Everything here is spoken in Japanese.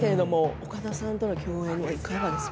岡田さんとの共演はどうですか。